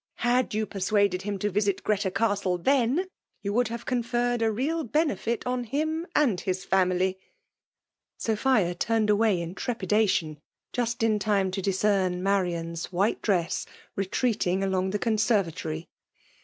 Had you persuaded him to visit Greta Castle theiiy — ^you would have conferred a real henefit on him and his family !"' Sophia turned away in trepidation^ just in time to discern Marian*s white dress retreating along the conservatory.